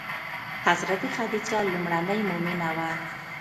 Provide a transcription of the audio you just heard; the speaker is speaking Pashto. حضرت خدیجه لومړنۍ مومنه وه.